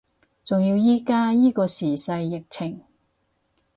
仲要依家依個時勢疫情